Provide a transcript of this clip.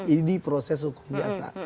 ini proses hukum biasa